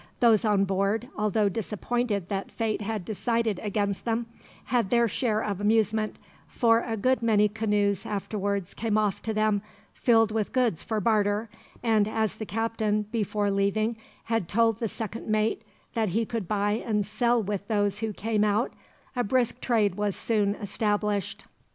Those on board, although disappointed that fate had decided against them, had their share of amusement, for a good many canoes afterwards came off to them, filled with goods for barter; and as the captain, before leaving, had told the second mate that he could buy and sell with those who came out, a brisk trade was soon established.